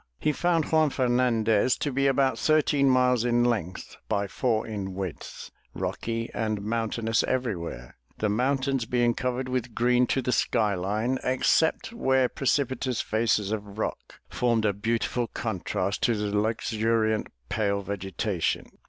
He found Juan Fernandez to be about thirteen miles in length by four in width, rocky and mountainous everywhere, the moun tains being covered with green to the sky line, except where pre cipitous faces of rock formed a beautiful contrast to the luxuriant pale vegetation.